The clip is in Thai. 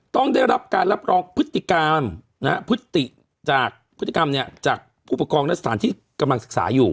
ต้องได้รับการรับรองพฤติการนะฮะพฤติจากพฤติกรรมเนี่ยจากผู้ปกครองและสถานที่กำลังศึกษาอยู่